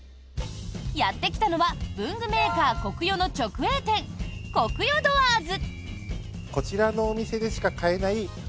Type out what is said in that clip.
やってきたのは文具メーカー、コクヨの直営店ＫＯＫＵＹＯＤＯＯＲＳ。